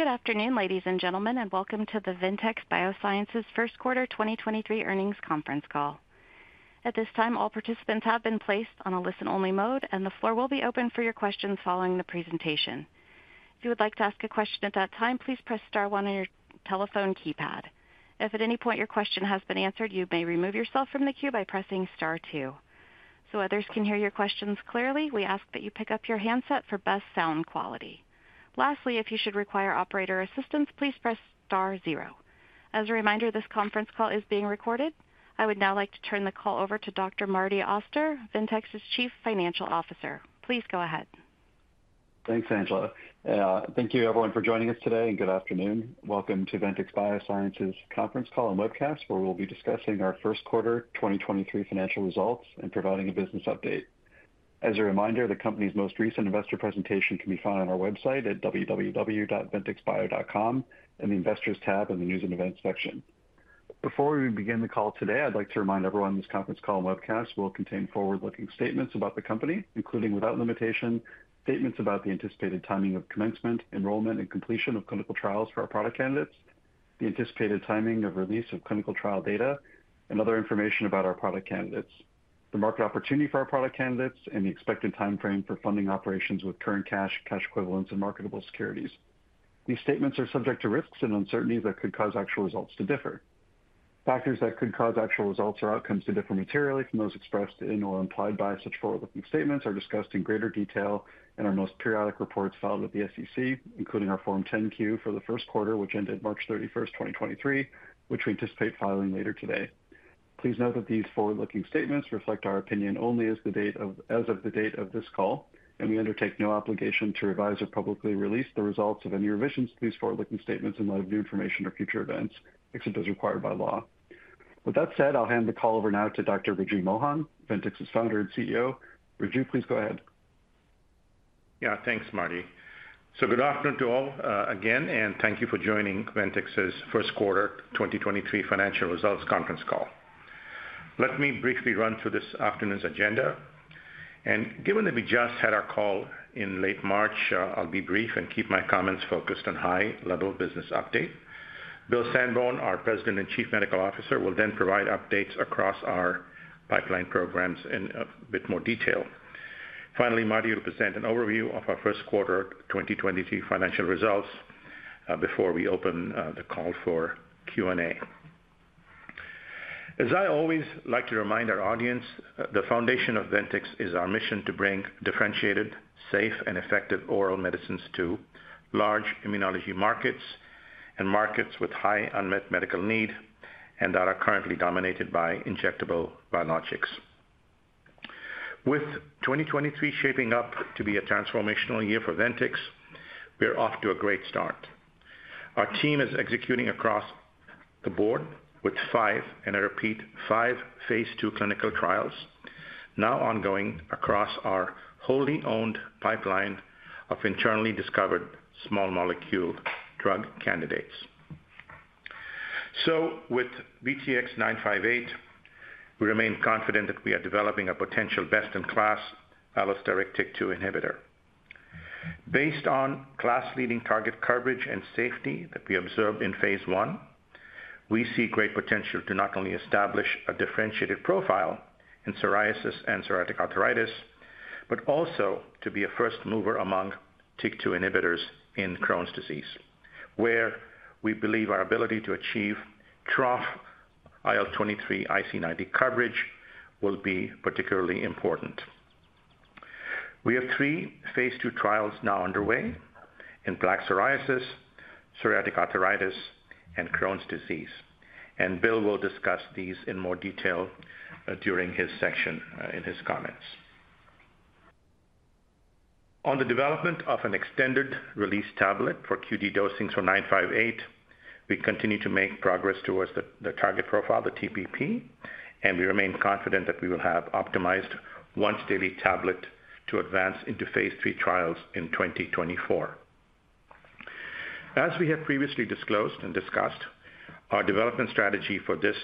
Good afternoon, ladies and gentlemen, and welcome to the Ventyx Biosciences First Quarter 2023 earnings conference call. At this time, all participants have been placed on a listen-only mode, and the floor will be open for your questions following the presentation. If you would like to ask a question at that time, please press star one on your telephone keypad. If at any point your question has been answered, you may remove yourself from the queue by pressing star two. Others can hear your questions clearly, we ask that you pick up your handset for best sound quality. Lastly, if you should require operator assistance, please press star zero. As a reminder, this conference call is being recorded. I would now like to turn the call over to Dr. Martin Auster, Ventyx's Chief Financial Officer. Please go ahead. Thanks, Angela. Thank you everyone for joining us today and good afternoon. Welcome to Ventyx Biosciences conference call and webcast, where we'll be discussing our first quarter 2023 financial results and providing a business update. As a reminder, the company's most recent investor presentation can be found on our website at www.ventyxbio.com in the Investors tab in the News and Events section. Before we begin the call today, I'd like to remind everyone this conference call and webcast will contain forward-looking statements about the company, including without limitation statements about the anticipated timing of commencement, enrollment, and completion of clinical trials for our product candidates, the anticipated timing of release of clinical trial data and other information about our product candidates, the market opportunity for our product candidates, and the expected timeframe for funding operations with current cash equivalents, and marketable securities. These statements are subject to risks and uncertainties that could cause actual results to differ. Factors that could cause actual results or outcomes to differ materially from those expressed in or implied by such forward-looking statements are discussed in greater detail in our most periodic reports filed with the SEC, including our Form 10-Q for the first quarter, which ended March 31st, 2023, which we anticipate filing later today. Please note that these forward-looking statements reflect our opinion only as of the date of this call, and we undertake no obligation to revise or publicly release the results of any revisions to these forward-looking statements in light of new information or future events, except as required by law. With that said, I'll hand the call over now to Dr. Raju Mohan, Ventyx's Founder and CEO. Raju, please go ahead. Yeah. Thanks, Marty. Good afternoon to all again, and thank you for joining Ventyx's first quarter 2023 financial results conference call. Let me briefly run through this afternoon's agenda. Given that we just had our call in late March, I'll be brief and keep my comments focused on high-level business update. Will Sandborn, our President and Chief Medical Officer, will then provide updates across our pipeline programs in a bit more detail. Finally, Marty will present an overview of our first quarter 2023 financial results before we open the call for Q&A. As I always like to remind our audience, the foundation of Ventyx is our mission to bring differentiated, safe, and effective oral medicines to large immunology markets and markets with high unmet medical need and that are currently dominated by injectable biologics. With 2023 shaping up to be a transformational year for Ventyx, we're off to a great start. Our team is executing across the board with five, and I repeat, five phase II clinical trials now ongoing across our wholly owned pipeline of internally discovered small molecule drug candidates. With VTX958, we remain confident that we are developing a potential best-in-class allosteric TYK2 inhibitor. Based on class-leading target coverage and safety that we observed in phase I, we see great potential to not only establish a differentiated profile in psoriasis and psoriatic arthritis, but also to be a first mover among TYK2 inhibitors in Crohn's disease, where we believe our ability to achieve trough IL-23 IC90 coverage will be particularly important. We have three phase II trials now underway in plaque psoriasis, psoriatic arthritis, and Crohn's disease. Will will discuss these in more detail during his section in his comments. On the development of an extended release tablet for QD dosing for VTX958, we continue to make progress towards the target profile, the TPP, and we remain confident that we will have optimized once-daily tablet to advance into phase III trials in 2024. As we have previously disclosed and discussed, our development strategy for this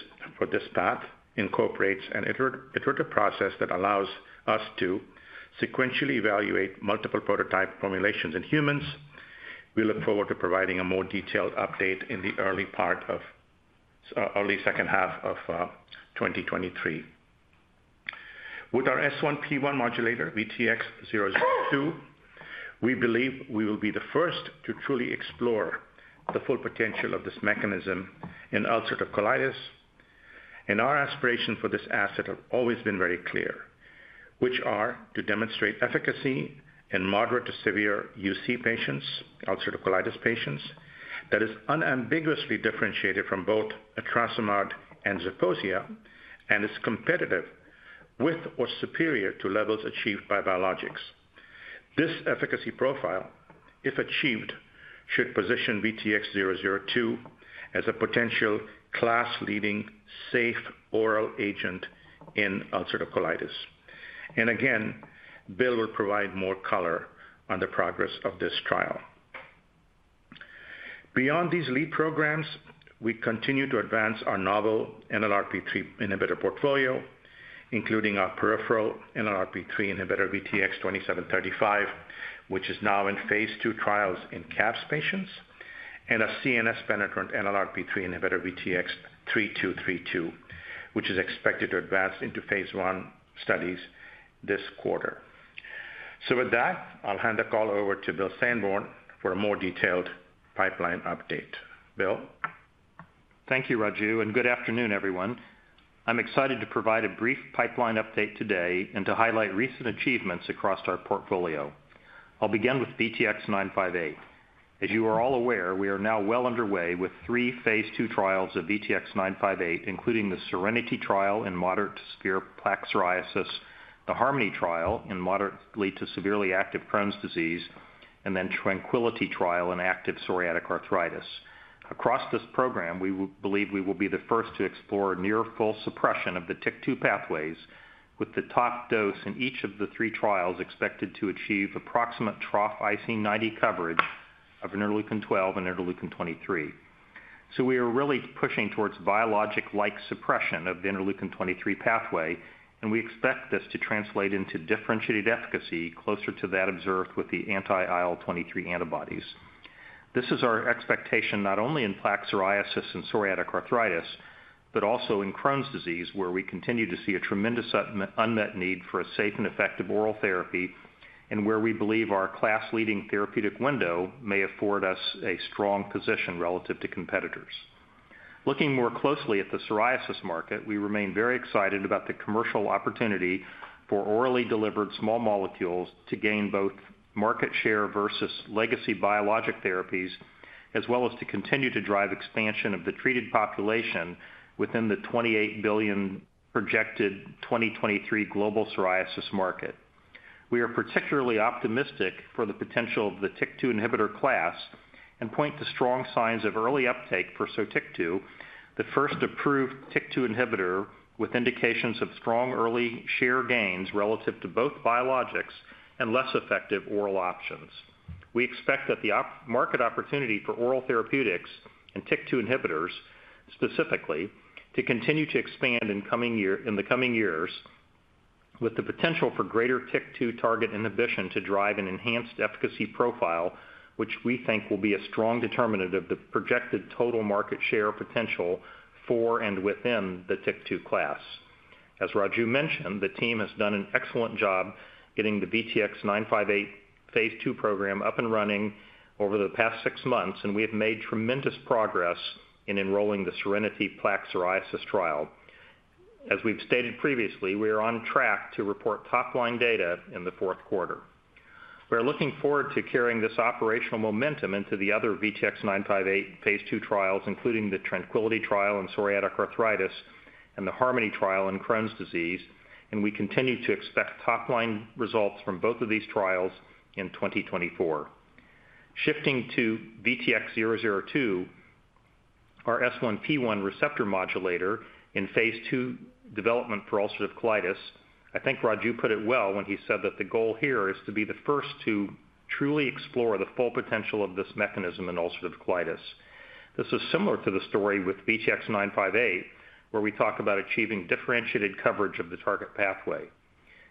path incorporates an iterative process that allows us to sequentially evaluate multiple prototype formulations in humans. We look forward to providing a more detailed update in the early second half of 2023. With our S1P1 modulator, VTX002, we believe we will be the first to truly explore the full potential of this mechanism in ulcerative colitis, and our aspirations for this asset have always been very clear, which are to demonstrate efficacy in moderate to severe UC patients, ulcerative colitis patients, that is unambiguously differentiated from both etrasimod and ZEPOSIA and is competitive with or superior to levels achieved by biologics. This efficacy profile, if achieved, should position VTX002 as a potential class-leading safe oral agent in ulcerative colitis. Again, Will will provide more color on the progress of this trial. Beyond these lead programs, we continue to advance our novel NLRP3 inhibitor portfolio, including our peripheral NLRP3 inhibitor VTX2735, which is now in phase II trials in CAPS patients, and a CNS penetrant NLRP3 inhibitor VTX3232, which is expected to advance into phase I studies this quarter. With that, I'll hand the call over to Will Sandborn for a more detailed pipeline update. Will? Thank you, Raju. Good afternoon, everyone. I'm excited to provide a brief pipeline update today and to highlight recent achievements across our portfolio. I'll begin with VTX958. As you are all aware, we are now well underway with three phase II trials of VTX958, including the SERENITY trial in moderate to severe plaque psoriasis, the HARMONY trial in moderately to severely active Crohn's disease, and the TRANQUILITY trial in active psoriatic arthritis. Across this program, we believe we will be the first to explore near full suppression of the TYK2 pathways with the top dose in each of the 3 trials expected to achieve approximate trough IC90 coverage of IL-12 and IL-23. We are really pushing towards biologic-like suppression of the IL-23 pathway, and we expect this to translate into differentiated efficacy closer to that observed with the anti-IL-23 antibodies. This is our expectation not only in plaque psoriasis and psoriatic arthritis, but also in Crohn's disease, where we continue to see a tremendous unmet need for a safe and effective oral therapy and where we believe our class-leading therapeutic window may afford us a strong position relative to competitors. Looking more closely at the psoriasis market, we remain very excited about the commercial opportunity for orally delivered small molecules to gain both market share versus legacy biologic therapies, as well as to continue to drive expansion of the treated population within the $28 billion projected 2023 global psoriasis market. We are particularly optimistic for the potential of the TYK2 inhibitor class and point to strong signs of early uptake for SOTYKTU, the first approved TYK2 inhibitor with indications of strong early share gains relative to both biologics and less effective oral options. We expect that the market opportunity for oral therapeutics and TYK2 inhibitors, specifically, to continue to expand in the coming years with the potential for greater TYK2 target inhibition to drive an enhanced efficacy profile, which we think will be a strong determinant of the projected total market share potential for and within the TYK2 class. As Raju mentioned, the team has done an excellent job getting the VTX958 phase II program up and running over the past 6 months, and we have made tremendous progress in enrolling the SERENITY plaque psoriasis trial. As we've stated previously, we are on track to report top-line data in the fourth quarter. We are looking forward to carrying this operational momentum into the other VTX958 phase II trials, including the TRANQUILITY trial in psoriatic arthritis and the HARMONY trial in Crohn's disease. We continue to expect top-line results from both of these trials in 2024. Shifting to VTX002, our S1P1 receptor modulator in phase II development for ulcerative colitis. I think Raju put it well when he said that the goal here is to be the first to truly explore the full potential of this mechanism in ulcerative colitis. This is similar to the story with VTX958, where we talk about achieving differentiated coverage of the target pathway.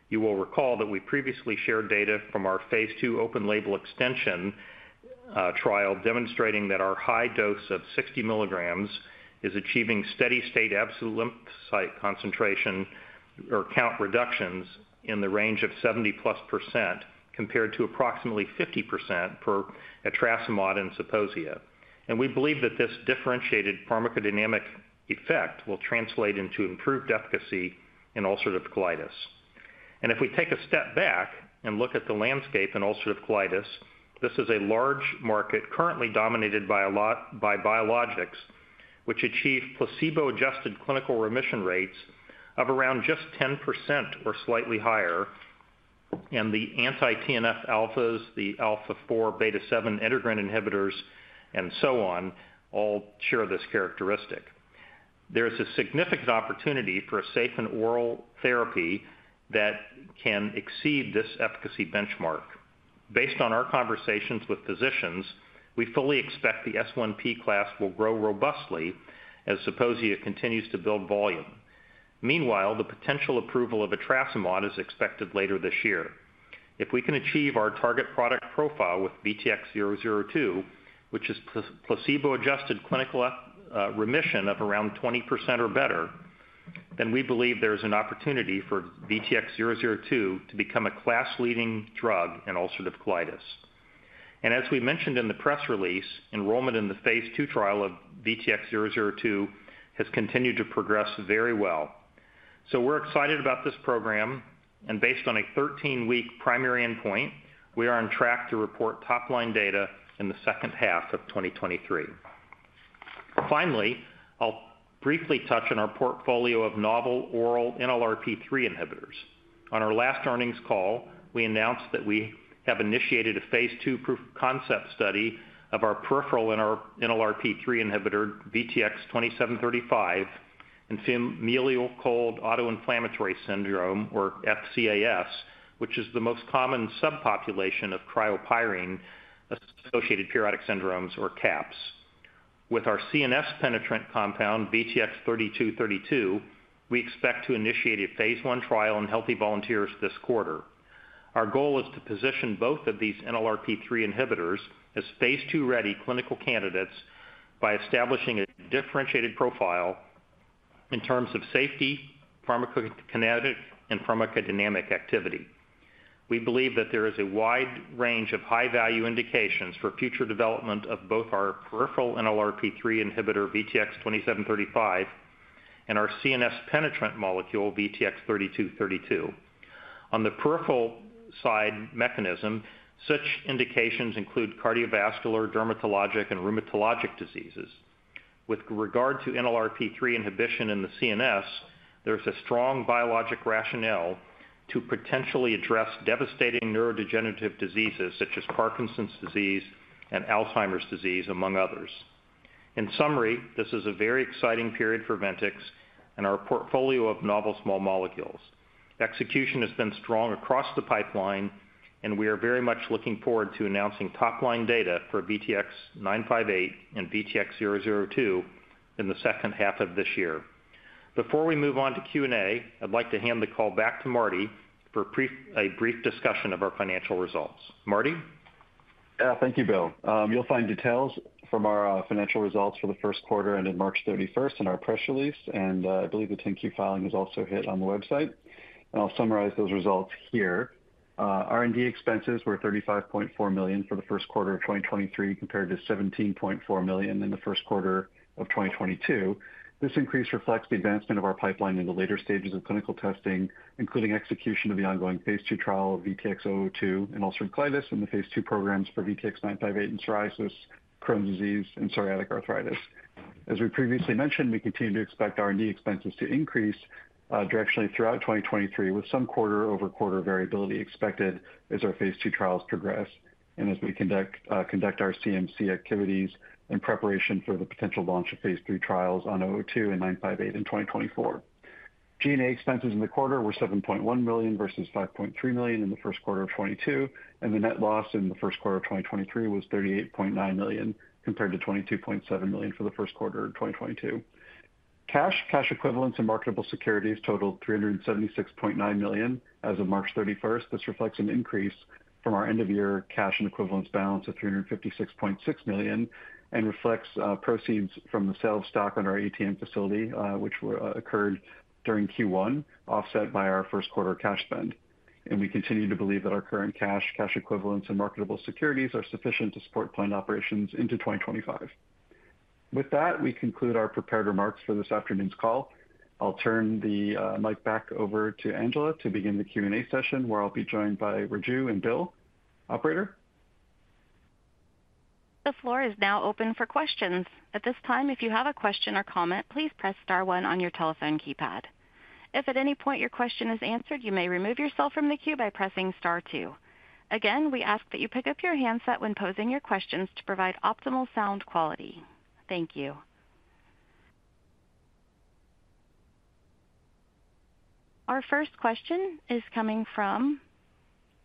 You will recall that we previously shared data from our phase II open label extension trial demonstrating that our high dose of 60 milligrams is achieving steady-state absolute lymphocyte concentration or count reductions in the range of 70+% compared to approximately 50% per etrasimod and ZEPOSIA. We believe that this differentiated pharmacodynamic effect will translate into improved efficacy in ulcerative colitis. If we take a step back and look at the landscape in ulcerative colitis, this is a large market currently dominated by biologics, which achieve placebo-adjusted clinical remission rates of around just 10% or slightly higher. The anti-TNF-alpha, the alpha-4 beta-7 integrin inhibitors, and so on all share this characteristic. There is a significant opportunity for a safe and oral therapy that can exceed this efficacy benchmark. Based on our conversations with physicians, we fully expect the S1P class will grow robustly as ZEPOSIA continues to build volume. Meanwhile, the potential approval of etrasimod is expected later this year. If we can achieve our target product profile with VTX002, which is placebo-adjusted clinical remission of around 20% or better, then we believe there is an opportunity for VTX002 to become a class-leading drug in ulcerative colitis. As we mentioned in the press release, enrollment in the phase II trial of VTX002 has continued to progress very well. We're excited about this program, and based on a 13-week primary endpoint, we are on track to report top-line data in the second half of 2023. Finally, I'll briefly touch on our portfolio of novel oral NLRP3 inhibitors. On our last earnings call, we announced that we have initiated a phase II proof of concept study of our peripheral NLRP3 inhibitor, VTX2735. Familial cold autoinflammatory syndrome or FCAS, which is the most common subpopulation of cryopyrin-associated periodic syndromes or CAPS. With our CNS penetrant compound, VTX3232, we expect to initiate a phase I trial in healthy volunteers this quarter. Our goal is to position both of these NLRP3 inhibitors as phase II-ready clinical candidates by establishing a differentiated profile in terms of safety, pharmacokinetic, and pharmacodynamic activity. We believe that there is a wide range of high-value indications for future development of both our peripheral NLRP3 inhibitor VTX2735 and our CNS penetrant molecule VTX3232. On the peripheral side mechanism, such indications include cardiovascular, dermatologic, and rheumatologic diseases. With regard to NLRP3 inhibition in the CNS, there's a strong biologic rationale to potentially address devastating neurodegenerative diseases such as Parkinson's disease and Alzheimer's disease, among others. In summary, this is a very exciting period for Ventyx and our portfolio of novel small molecules. Execution has been strong across the pipeline, and we are very much looking forward to announcing top-line data for VTX958 and VTX002 in the second half of this year. Before we move on to Q&A, I'd like to hand the call back to Marty for a brief discussion of our financial results. Marty? Yeah. Thank you, Will. You'll find details from our financial results for the first quarter ending March 31st in our press release, I believe the Form 10-Q filing is also hit on the website. I'll summarize those results here. R&D expenses were $35.4 million for the first quarter of 2023, compared to $17.4 million in the first quarter of 2022. This increase reflects the advancement of our pipeline in the later stages of clinical testing, including execution of the ongoing phase II trial of VTX002 in ulcerative colitis and the phase II programs for VTX958 in psoriasis, Crohn's disease, and psoriatic arthritis. As we previously mentioned, we continue to expect R&D expenses to increase directionally throughout 2023, with some quarter-over-quarter variability expected as our phase II trials progress and as we conduct our CMC activities in preparation for the potential launch of phase III trials on VTX002 and VTX958 in 2024. G&A expenses in the quarter were $7.1 million versus $5.3 million in the first quarter of 2022. The net loss in the first quarter of 2023 was $38.9 million, compared to $22.7 million for the first quarter of 2022. Cash, cash equivalents, and marketable securities totaled $376.9 million as of March 31st. This reflects an increase from our end-of-year cash and equivalents balance of $356.6 million and reflects proceeds from the sale of stock on our ATM facility, which occurred during Q1, offset by our first quarter cash spend. We continue to believe that our current cash equivalents, and marketable securities are sufficient to support planned operations into 2025. With that, we conclude our prepared remarks for this afternoon's call. I'll turn the mic back over to Angela to begin the Q&A session, where I'll be joined by Raju and Will. Operator? The floor is now open for questions. At this time, if you have a question or comment, please press star one on your telephone keypad. If at any point your question is answered, you may remove yourself from the queue by pressing star two. Again, we ask that you pick up your handset when posing your questions to provide optimal sound quality. Thank you. Our first question is coming from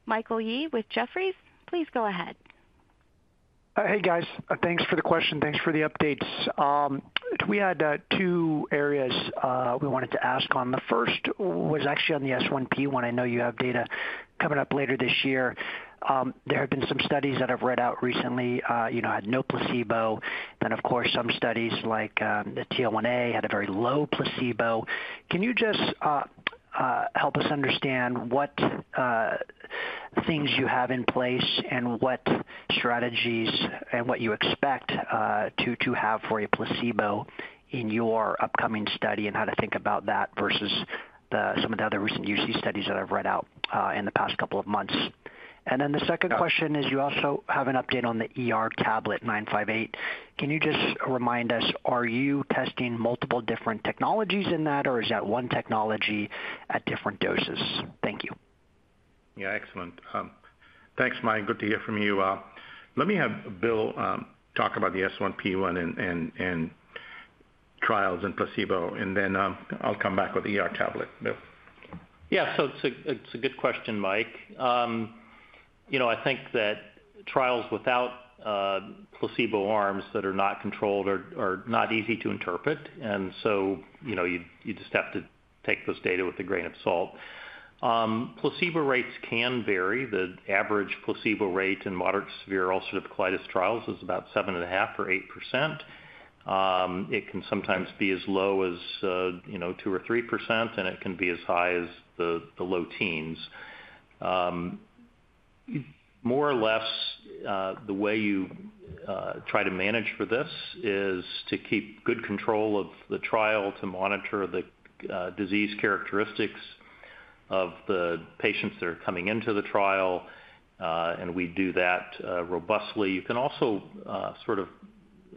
Michael Yee with Jefferies. Please go ahead. Hey, guys. Thanks for the question. Thanks for the updates. We had two areas we wanted to ask on. The first was actually on the S1P1. I know you have data coming up later this year. There have been some studies that I've read out recently, you know, had no placebo. Of course, some studies like the TL1A had a very low placebo. Can you just help us understand what things you have in place and what strategies and what you expect to have for a placebo in your upcoming study and how to think about that versus some of the other recent UC studies that I've read out in the past couple of months? The second question is you also have an update on the ER tablet VTX958. Can you just remind us, are you testing multiple different technologies in that, or is that one technology at different doses? Thank you. Yeah. Excellent. Thanks, Mike. Good to hear from you. Let me have Will talk about the S1P1 and trials and placebo, and then I'll come back with the ER tablet. Will? Yeah. So it's a good question, Mike. You know, I think that trials without placebo arms that are not controlled are not easy to interpret. You know, you just have to take those data with a grain of salt. Placebo rates can vary. The average placebo rate in moderate to severe ulcerative colitis trials is about 7.5 or 8%. It can sometimes be as low as, you know, 2% or 3%, and it can be as high as the low teens. More or less, the way you try to manage for this is to keep good control of the trial to monitor the disease characteristics of the patients that are coming into the trial, and we do that robustly. You can also, sort of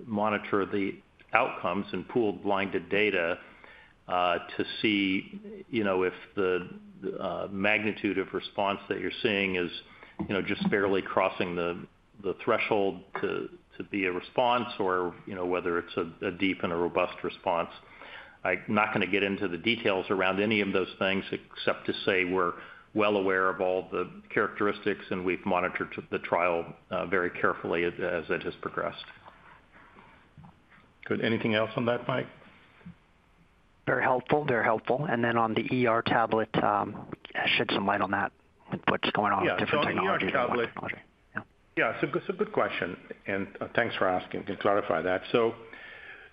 monitor the outcomes and pool blinded data. To see, you know, if the magnitude of response that you're seeing is, you know, just barely crossing the threshold to be a response or, you know, whether it's a deep and a robust response. I'm not gonna get into the details around any of those things, except to say we're well aware of all the characteristics, and we've monitored the trial very carefully as it has progressed. Good. Anything else on that, Michael Yee? Very helpful. Very helpful. Then on the ER tablet, shed some light on that, what's going on with different technology, development technology? Yeah. On the ER tablet. Yeah. Yeah. It's a good question, and thanks for asking. Can clarify that.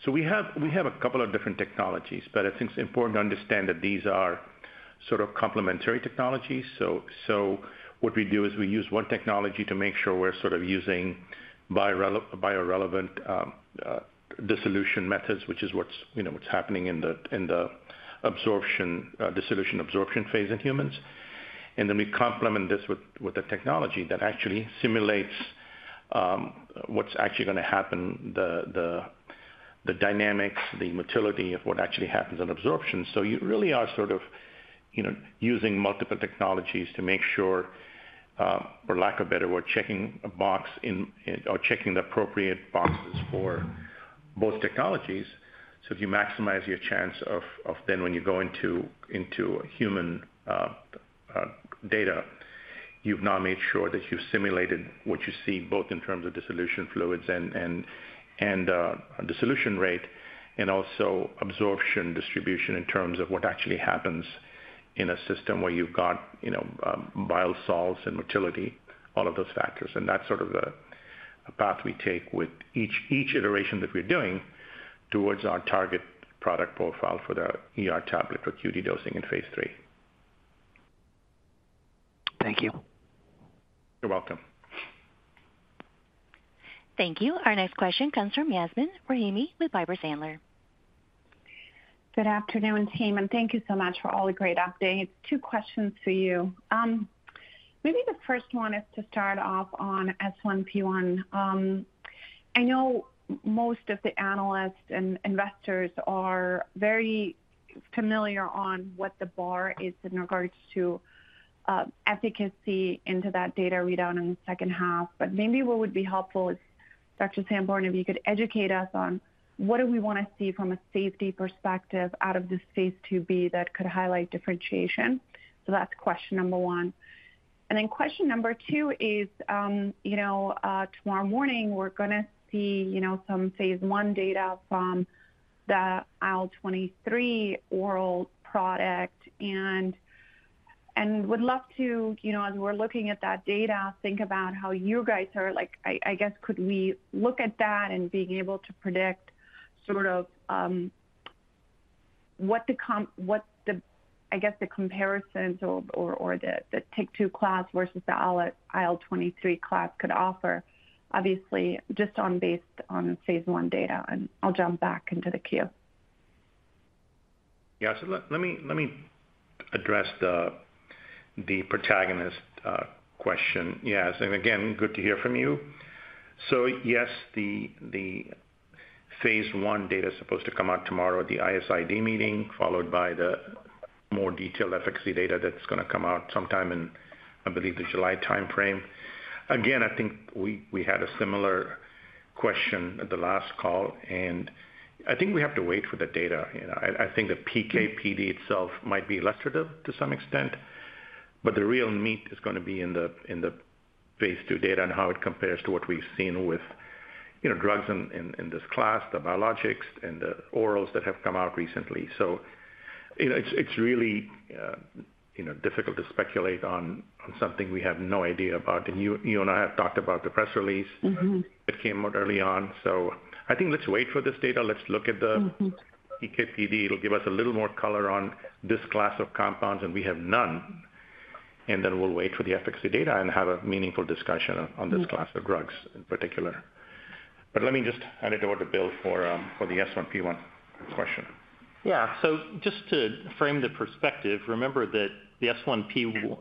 We have a couple of different technologies, but I think it's important to understand that these are sort of complementary technologies. What we do is we use one technology to make sure we're sort of using biorelevant dissolution methods, which is what's, you know, what's happening in the, in the absorption dissolution absorption phase in humans. Then we complement this with the technology that actually simulates what's actually gonna happen, the, the dynamics, the motility of what actually happens on absorption. You really are sort of, you know, using multiple technologies to make sure, for lack of a better word, checking a box in or checking the appropriate boxes for both technologies. If you maximize your chance of then when you go into human data, you've now made sure that you've simulated what you see, both in terms of dissolution fluids and dissolution rate and also absorption distribution in terms of what actually happens in a system where you've got, you know, bile salts and motility, all of those factors. That's sort of the path we take with each iteration that we're doing towards our target product profile for the ER tablet for QD dosing in phase III. Thank you. You're welcome. Thank you. Our next question comes from Yasmeen Rahimi with Piper Sandler. Good afternoon, team, and thank you so much for all the great updates. Two questions for you. Maybe the first one is to start off on S1P1. I know most of the analysts and investors are very familiar on what the bar is in regards to efficacy into that data readout in the second half. But maybe what would be helpful is, Dr. Sandborn, if you could educate us on what do we wanna see from a safety perspective out of this phase IIB that could highlight differentiation. So that's question number 1. Question number 2 is, you know, tomorrow morning we're gonna see, you know, some phase I data from the IL-23 oral product and would love to, you know, as we're looking at that data, think about how you guys are like... I guess could we look at that and being able to predict sort of, what the I guess the comparisons or the TAK-2 class versus the IL-23 class could offer, obviously just on based on phase I data. I'll jump back into the queue. Let me address the Protagonist question. Yes, again, good to hear from you. Yes, the phase I data is supposed to come out tomorrow at the ISID meeting, followed by the more detailed efficacy data that's gonna come out sometime in, I believe, the July timeframe. Again, I think we had a similar question at the last call, I think we have to wait for the data. You know, I think the PK/PD itself might be illustrative to some extent, but the real meat is gonna be in the phase II data and how it compares to what we've seen with, you know, drugs in this class, the biologics and the orals that have come out recently. You know, it's really, you know, difficult to speculate on something we have no idea about. You, you and I have talked about the press release. Mm-hmm. that came out early on. I think let's wait for this data. Mm-hmm. PK/PD. It'll give us a little more color on this class of compounds, and we have none. We'll wait for the efficacy data and have a meaningful discussion on this class of drugs in particular. Let me just hand it over to Will for the S1P1 question. Yeah. Just to frame the perspective, remember that the S1P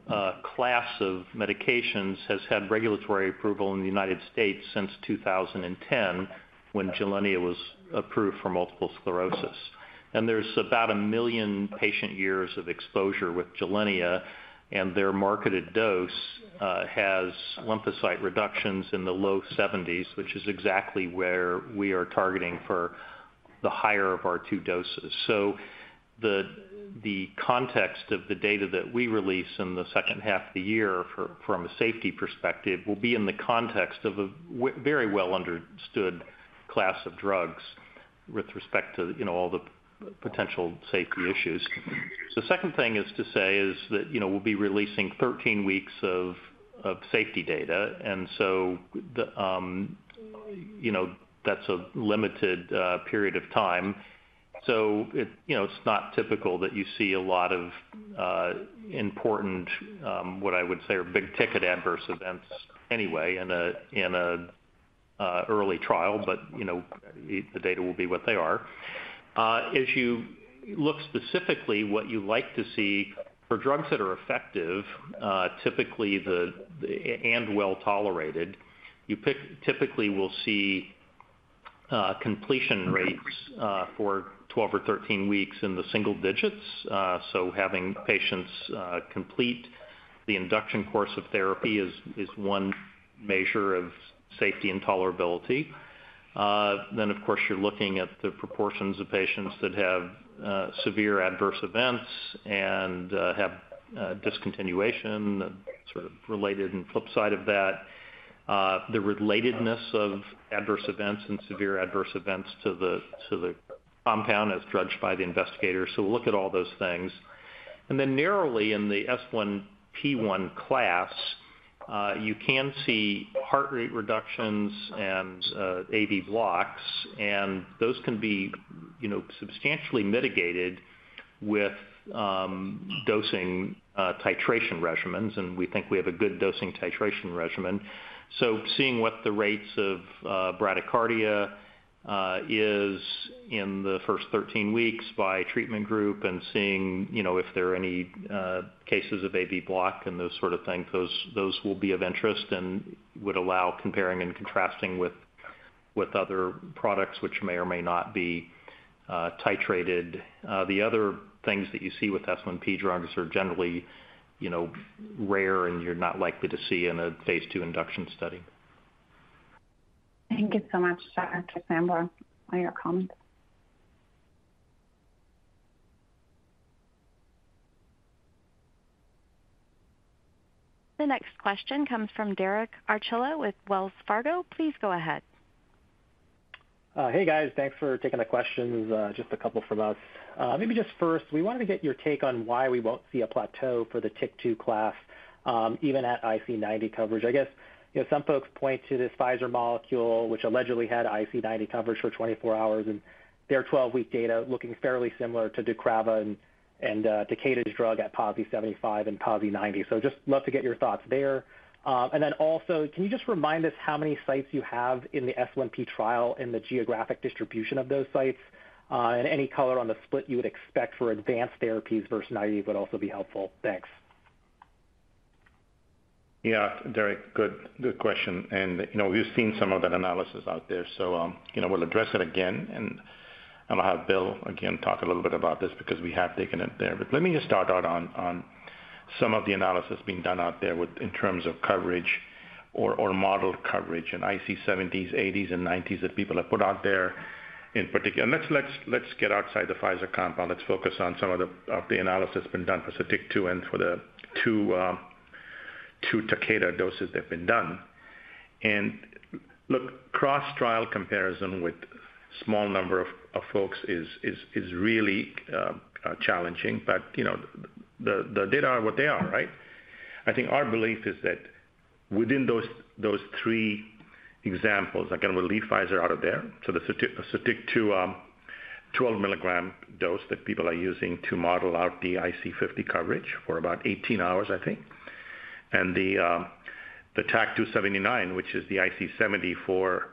class of medications has had regulatory approval in the U.S. since 2010 when Gilenya was approved for multiple sclerosis. There's about a million patient years of exposure with Gilenya, and their marketed dose has lymphocyte reductions in the low 70s, which is exactly where we are targeting for the higher of our 2 doses. The context of the data that we release in the second half of the year for, from a safety perspective will be in the context of a very well understood class of drugs with respect to, you know, all the potential safety issues. The second thing is to say is that, you know, we'll be releasing 13 weeks of safety data, you know, that's a limited period of time. It, you know, it's not typical that you see a lot of important, what I would say are big ticket adverse events anyway in an early trial. You know, the data will be what they are. If you look specifically what you like to see for drugs that are effective, typically the and well-tolerated, you typically will see completion rates for 12 or 13 weeks in the single digits. Having patients complete the induction course of therapy is one measure of safety and tolerability. Of course you're looking at the proportions of patients that have severe adverse events and have discontinuation sort of related and flip side of that. The relatedness of adverse events and severe adverse events to the compound as judged by the investigators. We'll look at all those things. Then narrowly in the S1P1 class, you can see heart rate reductions and AV blocks, and those can be, you know, substantially mitigated with dosing titration regimens. We think we have a good dosing titration regimen. Seeing what the rates of bradycardia is in the first 13 weeks by treatment group and seeing, you know, if there are any cases of AV block and those sort of things, those will be of interest and would allow comparing and contrasting with other products which may or may not be titrated. The other things that you see with S1P drugs are generally, you know, rare and you're not likely to see in a phase II induction study. Thank you so much, Dr. Sandborn, for your comments. The next question comes from Derek Archila with Wells Fargo. Please go ahead. Hey guys. Thanks for taking the questions, just a couple from us. Maybe just first, we wanted to get your take on why we won't see a plateau for the TYK2 class, even at IC90 coverage. I guess, you know, some folks point to this Pfizer molecule, which allegedly had IC90 coverage for 24 hours, and their 12-week data looking fairly similar to deucravacitinib and Takeda's drug at PASI 75 and PASI 90. Just love to get your thoughts there. Also, can you just remind us how many sites you have in the S1P1 trial and the geographic distribution of those sites? Any color on the split you would expect for advanced therapies versus naive would also be helpful. Thanks. Yeah, Derek, good question. You know, we've seen some of that analysis out there, so, you know, we'll address it again. I'll have Will Sandborn again talk a little bit about this because we have taken it there. Let me just start out on some of the analysis being done out there in terms of coverage or modeled coverage in IC70s, IC80s, and IC90s that people have put out there in particular. Let's get outside the Pfizer compound. Let's focus on some of the analysis been done for SOTYKTU and for the two Takeda doses that have been done. Look, cross-trial comparison with small number of folks is really challenging. You know, the data are what they are, right? I think our belief is that within those three examples, again, we'll leave Pfizer out of there. The SOTYKTU, 12-milligram dose that people are using to model out the IC50 coverage for about 18 hours, I think. The TAK-279, which is the IC70 for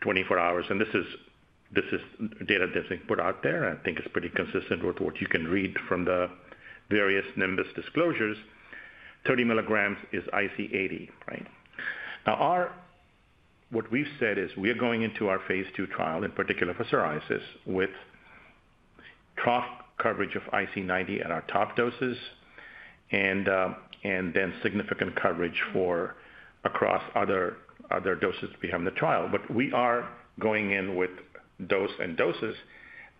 24 hours. This is data that's been put out there. I think it's pretty consistent with what you can read from the various Nimbus disclosures. 30 milligrams is IC80, right? Now what we've said is we are going into our phase II trial, in particular for psoriasis, with trough coverage of IC90 at our top doses and then significant coverage for across other doses we have in the trial. We are going in with dose and doses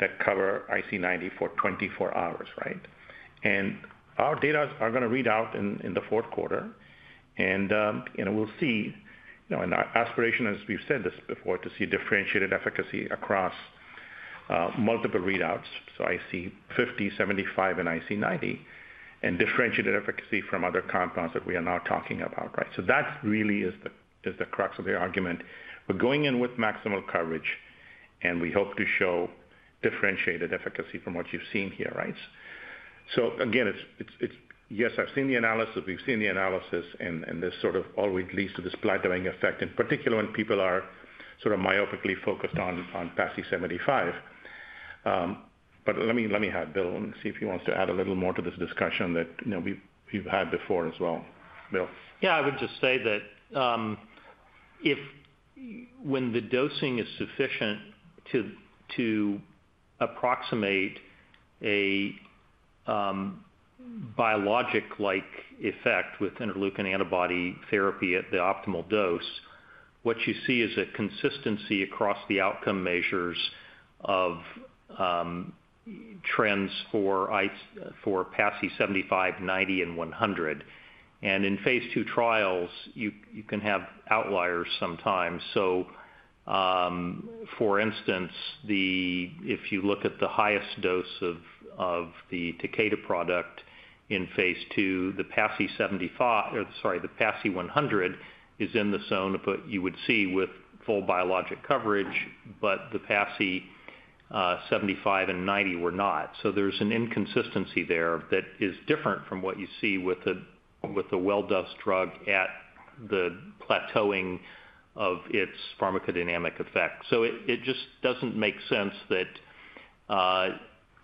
that cover IC90 for 24 hours, right? Our data are gonna read out in the fourth quarter. You know, we'll see, you know, and our aspiration, as we've said this before, to see differentiated efficacy across multiple readouts. IC50, 75, and IC90, and differentiated efficacy from other compounds that we are now talking about, right? That really is the crux of the argument. We're going in with maximal coverage, and we hope to show differentiated efficacy from what you've seen here, right? Again, it's... Yes, I've seen the analysis. We've seen the analysis, and this sort of always leads to this plateauing effect, in particular when people are sort of myopically focused on PASI 75. Let me have Will and see if he wants to add a little more to this discussion that, you know, we've had before as well. Will? Yeah, I would just say that if when the dosing is sufficient to approximate a biologic-like effect with interleukin antibody therapy at the optimal dose, what you see is a consistency across the outcome measures of trends for PASI 75, 90, and 100. In phase II trials, you can have outliers sometimes. For instance, if you look at the highest dose of the Takeda product in phase II, the PASI or sorry, the PASI 100 is in the zone, but you would see with full biologic coverage, but the PASI 75 and 90 were not. There's an inconsistency there that is different from what you see with the well-dosed drug at the plateauing of its pharmacodynamic effect. It, it just doesn't make sense that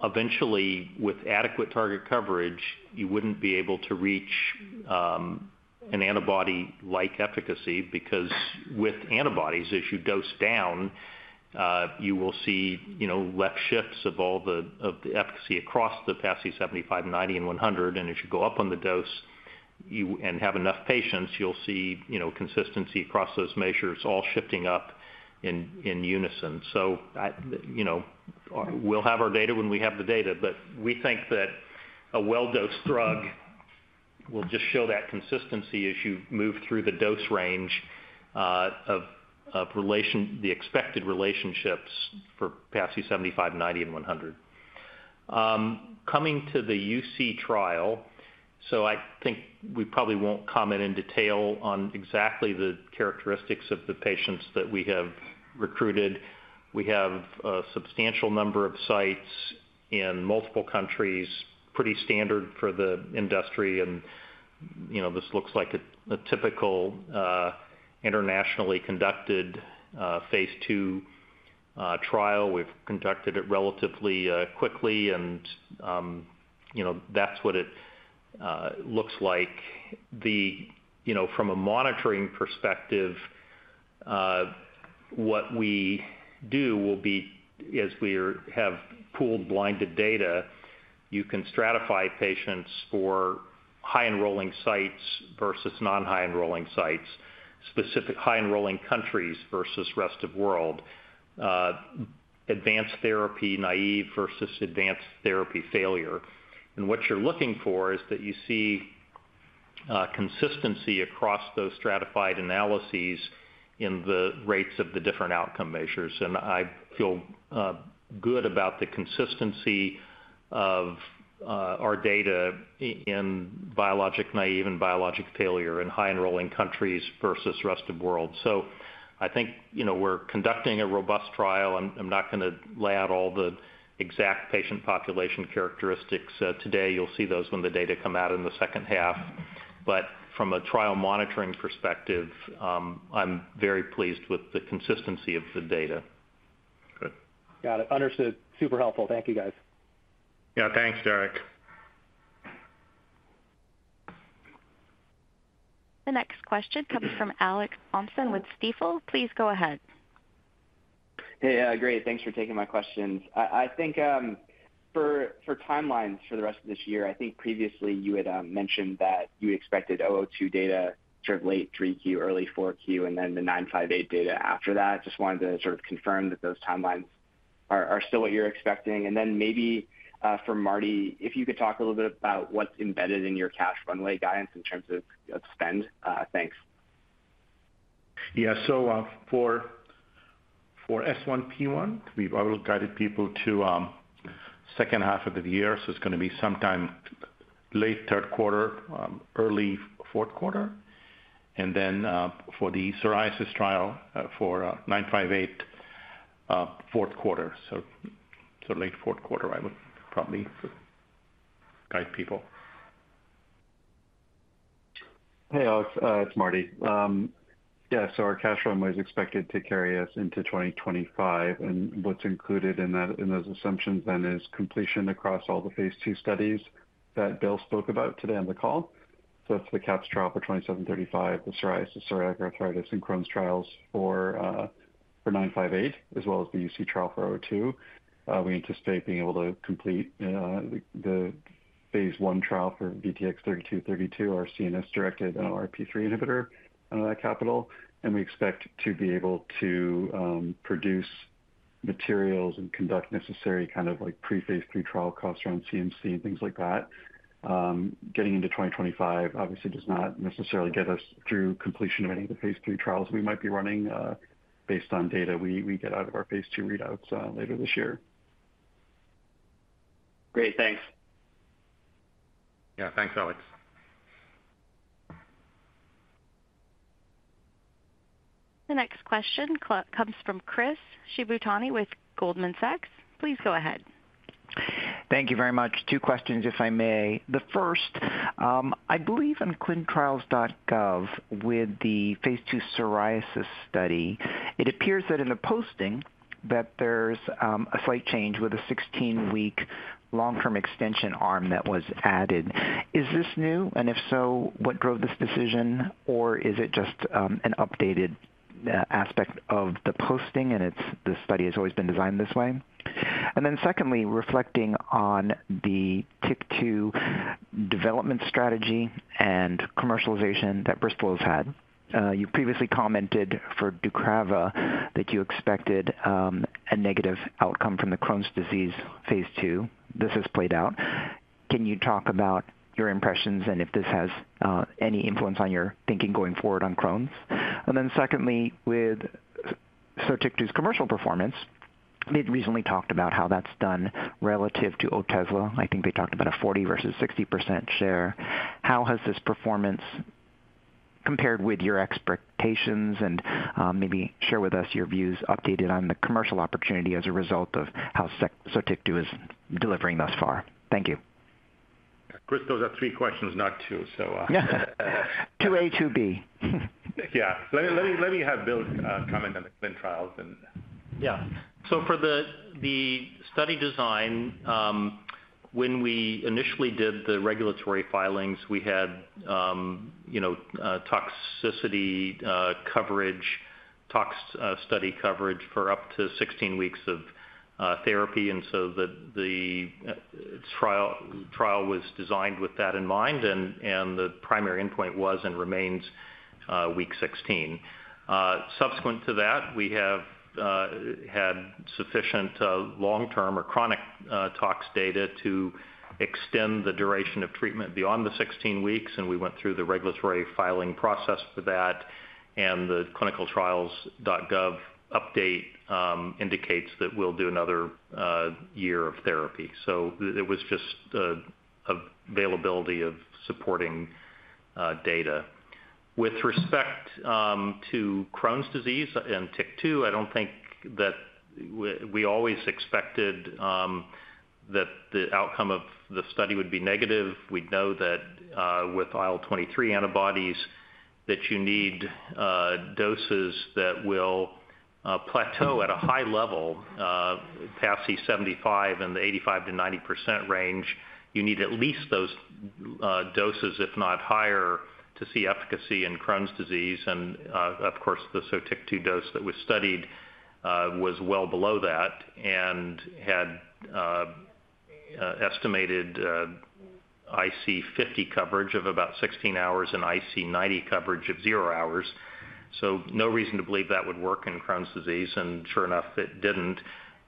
eventually, with adequate target coverage, you wouldn't be able to reach an antibody-like efficacy because with antibodies, as you dose down, you will see, you know, left shifts of all the, of the efficacy across the PASI 75, 90, and 100. As you go up on the dose, and have enough patients, you'll see, you know, consistency across those measures all shifting up in unison. I, you know, we'll have our data when we have the data, but we think that a well-dosed drug will just show that consistency as you move through the dose range of relation, the expected relationships for PASI 75, 90, and 100. Coming to the UC trial. I think we probably won't comment in detail on exactly the characteristics of the patients that we have recruited. We have a substantial number of sites in multiple countries, pretty standard for the industry and, you know, this looks like a typical, internationally conducted, phase II trial. We've conducted it relatively quickly and, you know, that's what it looks like. The, you know, from a monitoring perspective, what we do will be as we have pooled blinded data, you can stratify patients for high-enrolling sites versus non-high-enrolling sites, specific high-enrolling countries versus rest of world, advanced therapy naive versus advanced therapy failure. What you're looking for is that you see consistency across those stratified analyses in the rates of the different outcome measures. I feel good about the consistency of our data in biologic naive and biologic failure in high-enrolling countries versus rest of world. I think, you know, we're conducting a robust trial. I'm not gonna lay out all the exact patient population characteristics today. You'll see those when the data come out in the second half. From a trial monitoring perspective, I'm very pleased with the consistency of the data. Good. Got it. Understood. Super helpful. Thank you, guys. Yeah. Thanks, Derek. The next question comes from Alex Thompson with Stifel. Please go ahead. Hey. Yeah, great. Thanks for taking my questions. I think for timelines for the rest of this year, I think previously you had mentioned that you expected VTX002 data sort of late 3Q, early 4Q, then the VTX958 data after that. Just wanted to sort of confirm that those timelines are still what you're expecting. Then maybe for Marty, if you could talk a little bit about what's embedded in your cash runway guidance in terms of spend. Thanks. Yeah. For S1P1, we've always guided people to second half of the year, it's gonna be sometime late third quarter, early fourth quarter. Then, for the psoriasis trial, for 958, fourth quarter. Late fourth quarter I would probably guide people. Hey, Alex, it's Marty. Our cash runway is expected to carry us into 2025, and what's included in that, in those assumptions then is completion across all the phase II studies that Will spoke about today on the call. It's the CAPS trial for VTX2735, the psoriasis, psoriatic arthritis, and Crohn's trials for VTX958, as well as the UC trial for VTX002. We anticipate being able to complete the phase 1 trial for VTX3232, our CNS-penetrant NLRP3 inhibitor under that capital. We expect to be able to produce materials and conduct necessary kind of like pre-phase III trial costs around CMC and things like that. Getting into 2025 obviously does not necessarily get us through completion of any of the phase III trials we might be running, based on data we get out of our phase II readouts, later this year. Great. Thanks. Yeah. Thanks, Alex. The next question comes from Chris Shibutani with Goldman Sachs. Please go ahead. Thank you very much. Two questions, if I may. The first, I believe on ClinicalTrials.gov with the phase II psoriasis study, it appears that in a posting that there's a slight change with a 16-week long-term extension arm that was added. Is this new? If so, what drove this decision? Or is it just an updated aspect of the posting and the study has always been designed this way? Secondly, reflecting on the TYK2 development strategy and commercialization that Bristol has had. You previously commented for deucravacitinib that you expected a negative outcome from the Crohn's disease phase II. This has played out. Can you talk about your impressions and if this has any influence on your thinking going forward on Crohn's? Secondly, with SOTYKTU's commercial performance, they'd recently talked about how that's done relative to Otezla. I think they talked about a 40 versus 60% share. How has this performance compared with your expectations? Maybe share with us your views updated on the commercial opportunity as a result of how SOTYKTU is delivering thus far. Thank you. Christophe, that's three questions, not two. 2A, 2B. Let me have Will comment on the clinical trials then. So for the study design, when we initially did the regulatory filings, we had, you know, toxicity coverage, tox study coverage for up to 16 weeks of therapy. The trial was designed with that in mind, and the primary endpoint was and remains week 16. Subsequent to that, we have had sufficient long-term or chronic tox data to extend the duration of treatment beyond the 16 weeks, and we went through the regulatory filing process for that, and the ClinicalTrials.gov update indicates that we'll do another year of therapy. It was just availability of supporting data. With respect to Crohn's disease in TYK2, I don't think that we always expected that the outcome of the study would be negative. We'd know that with IL-23 antibodies, that you need doses that will plateau at a high level past C75 in the 85%-90% range. You need at least those doses, if not higher, to see efficacy in Crohn's disease. Of course, the SOTYKTU dose that was studied was well below that and had estimated IC50 coverage of about 16 hours and IC90 coverage of 0 hours. No reason to believe that would work in Crohn's disease, and sure enough, it didn't.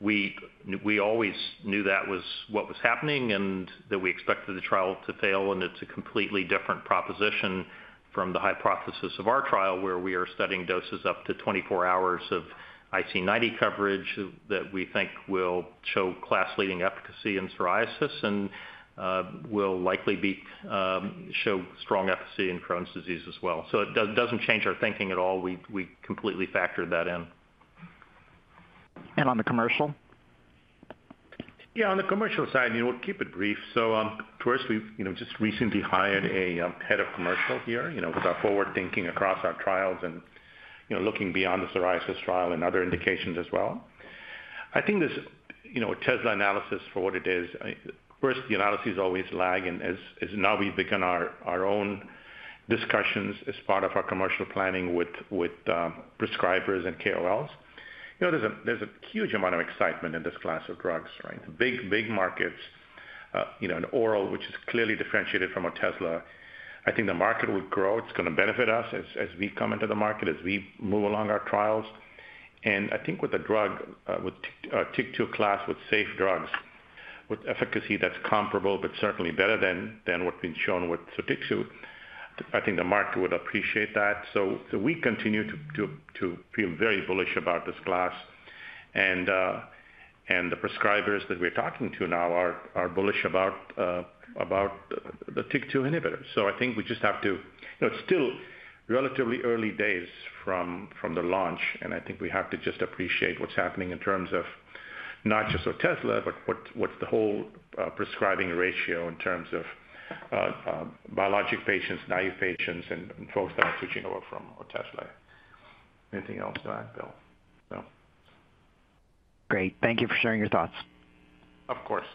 We always knew that was what was happening and that we expected the trial to fail. It's a completely different proposition from the hypothesis of our trial, where we are studying doses up to 24 hours of IC90 coverage that we think will show class-leading efficacy in psoriasis and will likely show strong efficacy in Crohn's disease as well. It doesn't change our thinking at all. We completely factored that in. On the commercial? Yeah, on the commercial side, you know, we'll keep it brief. First, we've, you know, just recently hired a head of commercial here, you know, with our forward thinking across our trials and, you know, looking beyond the psoriasis trial and other indications as well. I think this, you know, Otezla analysis for what it is, first, the analysis always lag. As now we've begun our own discussions as part of our commercial planning with prescribers and KOLs. You know, there's a huge amount of excitement in this class of drugs, right? Big markets, you know, in oral, which is clearly differentiated from Otezla. I think the market will grow. It's gonna benefit us as we come into the market, as we move along our trials. I think with a drug, with a TYK2 class, with safe drugs, with efficacy that's comparable but certainly better than what's been shown with SOTYKTU, I think the market would appreciate that. We continue to feel very bullish about this class. The prescribers that we're talking to now are bullish about the TYK2 inhibitor. I think we just have to. You know, it's still relatively early days from the launch, and I think we have to just appreciate what's happening in terms of not just Otezla, but what's the whole prescribing ratio in terms of biologic patients, naive patients, and folks that are switching over from Otezla. Anything else to add, Will? No. Great. Thank you for sharing your thoughts. Of course.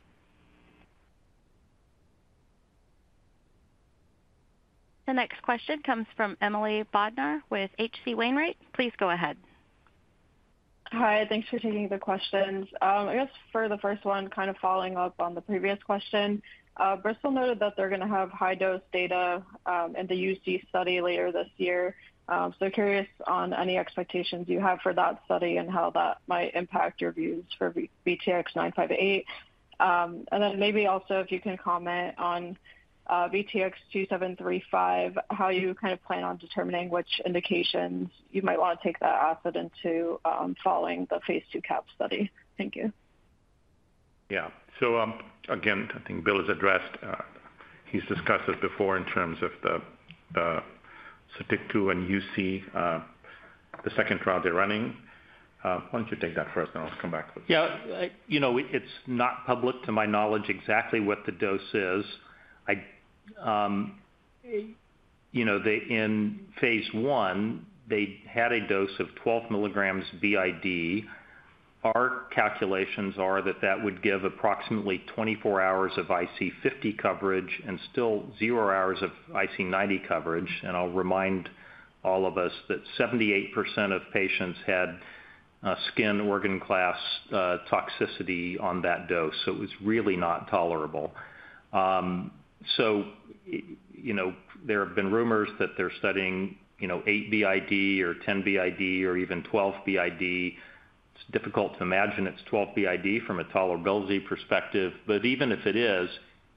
The next question comes from Emily Bodnar with H.C. Wainwright. Please go ahead. Hi. Thanks for taking the questions. I guess for the first one, kind of following up on the previous question, Bristol noted that they're gonna have high-dose data in the UC study later this year. Curious on any expectations you have for that study and how that might impact your views for VTX958. Maybe also if you can comment on VTX2735, how you kind of plan on determining which indications you might want to take that asset into following the phase II CAP study. Thank you. Again, I think Will has addressed, he's discussed it before in terms of the SOTYKTU and UC, the second trial they're running. Why don't you take that first, and I'll just come back please. You know, it's not public, to my knowledge, exactly what the dose is. I, you know, in phase I, they had a dose of 12 milligrams BID. Our calculations are that that would give approximately 24 hours of IC50 coverage and still 0 hours of IC90 coverage. I'll remind all of us that 78% of patients had skin organ class toxicity on that dose. It was really not tolerable. You know, there have been rumors that they're studying, you know, 8 BID or 10 BID or even 12 BID. It's difficult to imagine it's 12 BID from a tolerability perspective. Even if it is,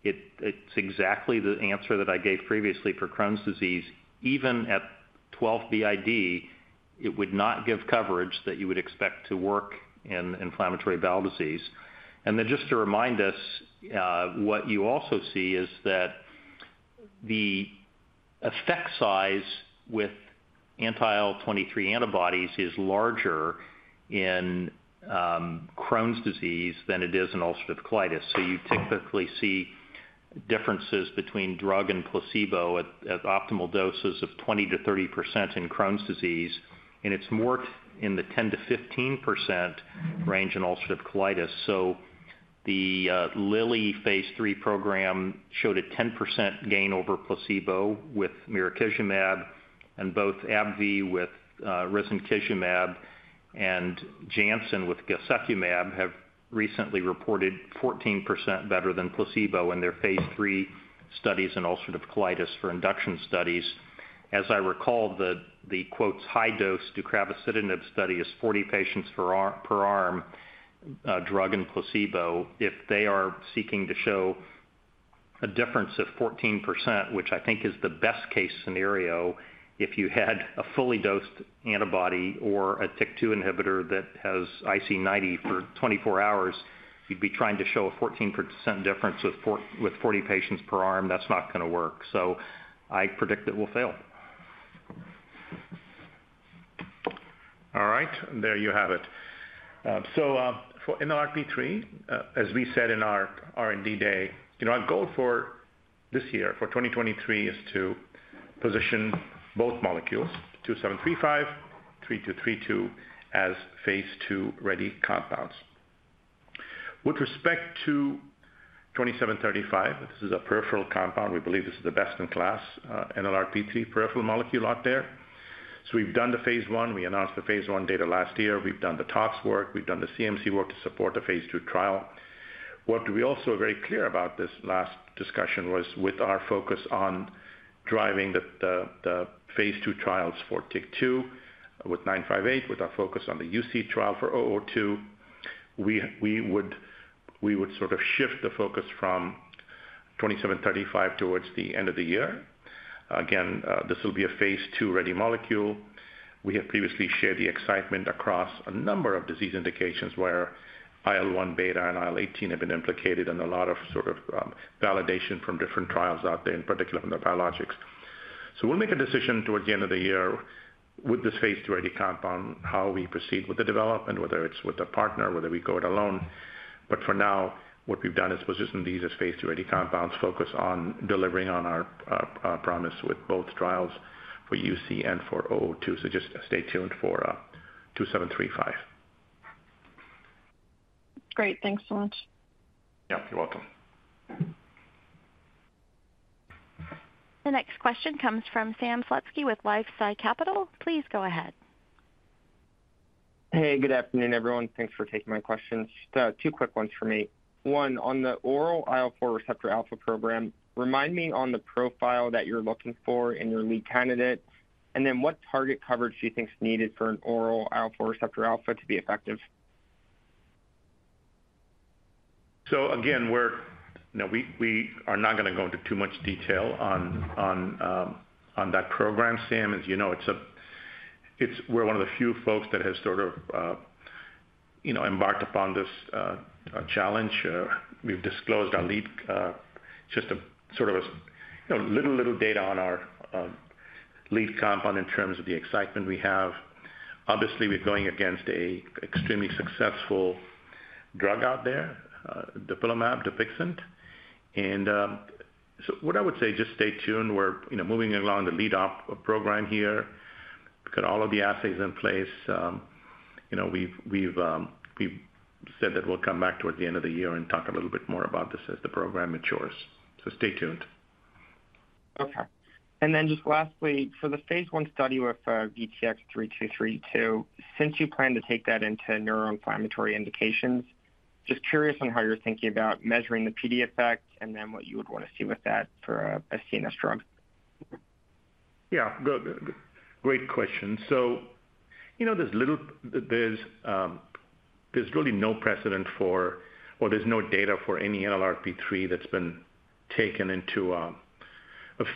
it's exactly the answer that I gave previously for Crohn's disease. Even at 12 BID, it would not give coverage that you would expect to work in inflammatory bowel disease. Just to remind us, what you also see is that the effect size with anti-IL-23 antibodies is larger in Crohn's disease than it is in ulcerative colitis. You typically see differences between drug and placebo at optimal doses of 20%-30% in Crohn's disease, and it's more in the 10%-15% range in ulcerative colitis. The Lilly phase III program showed a 10% gain over placebo with mirikizumab, and both AbbVie with risankizumab and Janssen with guselkumab have recently reported 14% better than placebo in their phase III studies in ulcerative colitis for induction studies. As I recall, the quotes high dose deucravacitinib study is 40 patients per arm, drug and placebo. If they are seeking to show a difference of 14%, which I think is the best case scenario, if you had a fully dosed antibody or a TYK2 inhibitor that has IC90 for 24 hours, you'd be trying to show a 14% difference with 40 patients per arm. That's not gonna work. I predict it will fail. All right. There you have it. For NLRP3, as we said in our R&D day, you know, our goal for this year, for 2023 is to position both molecules, VTX2735, VTX3232, as phase II-ready compounds. With respect to VTX2735, this is a peripheral compound. We believe this is the best in class, NLRP3 peripheral molecule out there. We've done the phase I. We announced the phase I data last year. We've done the tox work. We've done the CMC work to support the phase II trial. What we also are very clear about this last discussion was with our focus on driving the phase II trials for TYK2 with VTX958, with our focus on the UC trial for VTX002, we would sort of shift the focus from VTX2735 towards the end of the year. Again, this will be a phase II-ready molecule. We have previously shared the excitement across a number of disease indications where IL-1β and IL-18 have been implicated, and a lot of sort of validation from different trials out there, in particular from the biologics. We'll make a decision towards the end of the year with this phase II-ready compound, how we proceed with the development, whether it's with a partner, whether we go it alone. For now, what we've done is position these as phase II-ready compounds, focus on delivering on our promise with both trials for UC and for VTX002. Just stay tuned for VTX2735. Great. Thanks so much. Yeah, you're welcome. The next question comes from Sam Slutsky with LifeSci Capital. Please go ahead. Hey, good afternoon, everyone. Thanks for taking my questions. Just two quick ones for me. One, on the oral IL-4 receptor α program, remind me on the profile that you're looking for in your lead candidate, and then what target coverage do you think is needed for an oral IL-4 receptor α to be effective? Again, now we are not gonna go into too much detail on that program, Sam. As you know, it's we're one of the few folks that has sort of, you know, embarked upon this challenge. We've disclosed our lead, just a sort of, you know, little data on our lead compound in terms of the excitement we have. Obviously, we're going against a extremely successful drug out there, dupilumab, Dupixent. What I would say, just stay tuned. We're, you know, moving along the lead op program here. We've got all of the assays in place. You know, we've said that we'll come back towards the end of the year and talk a little bit more about this as the program matures. Stay tuned. Okay. Just lastly, for the phase I study with VTX3232, since you plan to take that into neuroinflammatory indications, just curious on how you're thinking about measuring the PD effect and then what you would wanna see with that for a CNS drug. You know, there's really no precedent for or there's no data for any NLRP3 that's been taken into a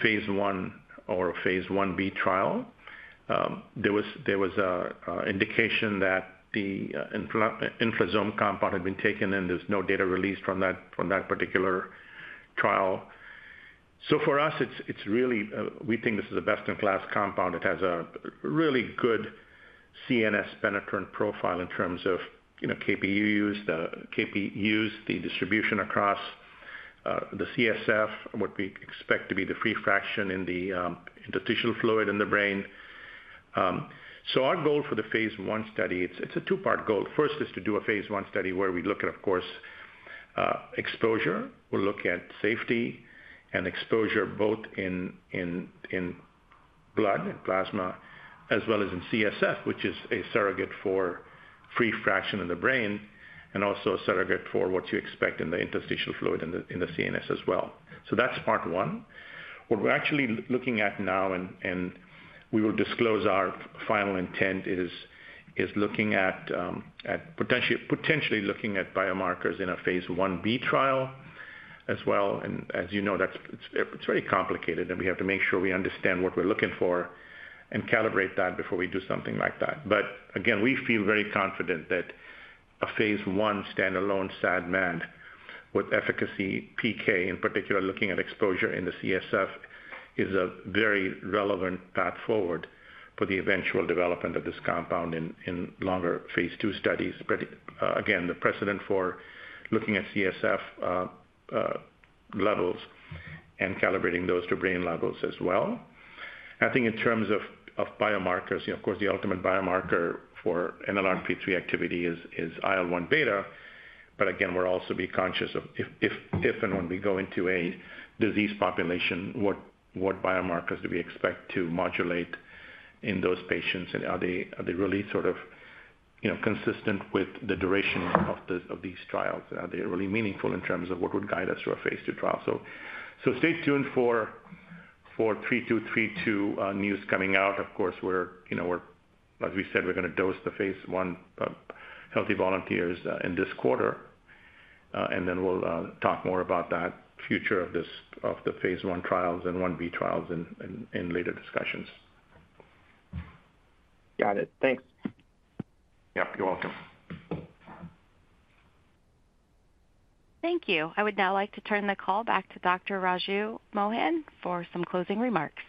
phase I or a phase IB trial. There was an indication that the Inflazome compound had been taken, and there's no data released from that particular trial. For us, it's really, we think this is a best in class compound. It has a really good CNS penetrant profile in terms of, you know, Kp,uu, the distribution across the CSF, what we expect to be the free fraction in the interstitial fluid in the brain. Our goal for the phase I study, it's a two-part goal. First is to do a phase I study where we look at, of course, exposure. We'll look at safety and exposure both in blood, plasma, as well as in CSF, which is a surrogate for free fraction in the brain, and also a surrogate for what you expect in the interstitial fluid in the CNS as well. That's part one. What we're actually looking at now, and we will disclose our final intent, is looking at potentially looking at biomarkers in a phase IB trial as well. As you know, that's. It's very complicated, and we have to make sure we understand what we're looking for and calibrate that before we do something like that. Again, we feel very confident that a phase I standalone SAD with efficacy PK in particular, looking at exposure in the CSF is a very relevant path forward for the eventual development of this compound in longer phase II studies. Again, the precedent for looking at CSF levels and calibrating those to brain levels as well. I think in terms of biomarkers, you know, of course, the ultimate biomarker for NLRP3 activity is IL-1β. Again, we'll also be conscious of if and when we go into a disease population, what biomarkers do we expect to modulate in those patients? Are they really sort of, you know, consistent with the duration of these trials? Are they really meaningful in terms of what would guide us through a phase II trial? Stay tuned for VTX3232 news coming out. You know, as we said, we're gonna dose the phase I healthy volunteers in this quarter. Then we'll talk more about that future of the phase I trials and 1B trials in later discussions. Got it. Thanks. Yep, you're welcome. Thank you. I would now like to turn the call back to Dr. Raju Mohan for some closing remarks.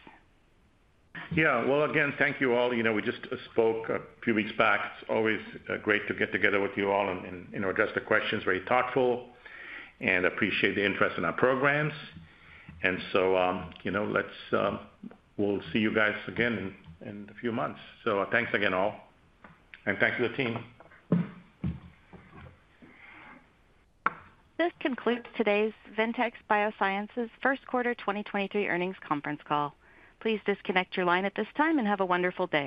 Yeah. Well, again, thank you all. You know, we just spoke a few weeks back. It's always great to get together with you all and, you know, address the questions, very thoughtful and appreciate the interest in our programs. You know, let's, we'll see you guys again in a few months. Thanks again all, and thank you team. This concludes today's Ventyx Biosciences first quarter 2023 earnings conference call. Please disconnect your line at this time and have a wonderful day.